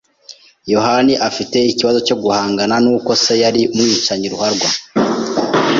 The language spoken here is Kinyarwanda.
yohani afite ikibazo cyo guhangana nuko se yari umwicanyi ruharwa.